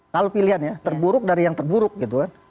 kalau pilihan ya terburuk dari yang terburuk gitu kan